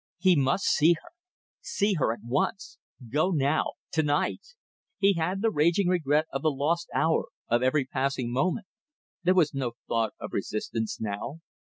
He must see her! See her at once! Go now! To night! He had the raging regret of the lost hour, of every passing moment. There was no thought of resistance now.